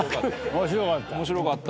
面白かった。